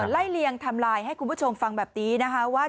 ไล่เลี้ยงทำลายให้คุณผู้ชมฟังแบบนี้ว่า